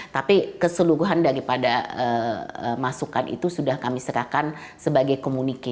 tapi keseluruhan daripada masukan itu sudah kami serahkan sebagai komunike